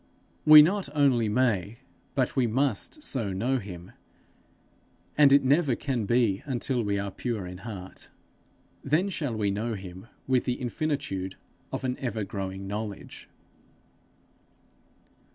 We not only may, but we must so know him, and it can never be until we are pure in heart. Then shall we know him with the infinitude of an ever growing knowledge.